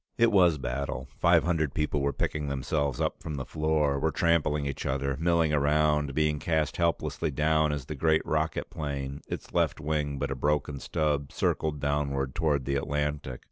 It was battle. Five hundred people were picking themselves up from the floor, were trampling each other, milling around, being cast helplessly down as the great rocket plane, its left wing but a broken stub, circled downward toward the Atlantic.